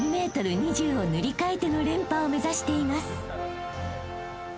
２ｍ２０を塗り替えての連覇を目指しています］